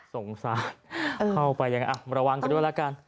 สงสารเข้าไปยังไงมาระวังกันด้วยแล้วกัน